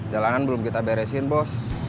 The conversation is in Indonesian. jalanan belum kita beresin bos